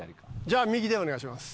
じゃあ右でお願いします。